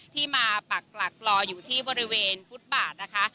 ที่มาปักหลักรออยู่ที่บริเวณฟุตบาทนะคะ